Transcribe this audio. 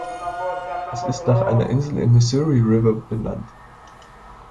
Es ist nach einer Insel im Missouri River benannt.